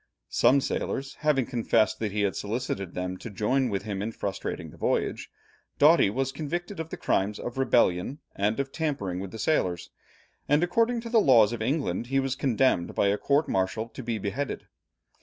Some sailors having confessed that he had solicited them to join with him in frustrating the voyage, Doughty was convicted of the crimes of rebellion, and of tampering with the sailors, and according to the laws of England, he was condemned by a court martial to be beheaded.